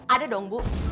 ada dong bu